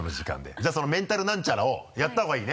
じゃあそのメンタルなんちゃらをやった方がいいね？